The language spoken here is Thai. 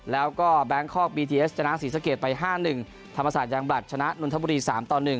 แล้วก็แบงคอกบีทีเอสชนะศรีสะเกดไป๕๑ธรรมศาสตร์ยังบลัดชนะนนทบุรี๓ต่อ๑